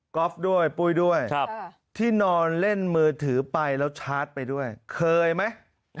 ออฟด้วยปุ้ยด้วยที่นอนเล่นมือถือไปแล้วชาร์จไปด้วยเคยไหม